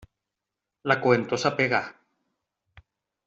La coentor s'apega.